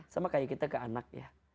sama kayak kita ke anak ya